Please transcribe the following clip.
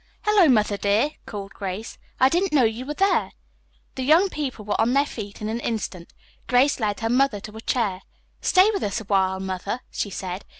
"Hello, Mother dear," called Grace, "I didn't know you were there." The young people were on their feet in an instant. Grace led her mother to a chair. "Stay with us awhile, Mother," she said.